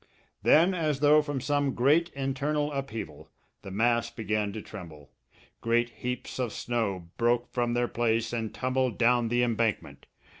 Then, as though from some great internal upheaval, the mass began to tremble. Great heaps of snow broke from their place and tumbled down the embankment.